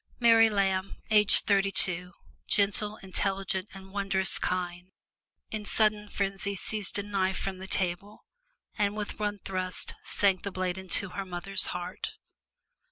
Mary Lamb, aged thirty two, gentle, intelligent and wondrous kind, in sudden frenzy seized a knife from the table and with one thrust sank the blade into her mother's heart.